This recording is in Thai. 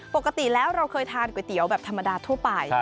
ปกติแล้วเราเคยทานก๋วยเตี๋ยวแบบธรรมดาทั่วไป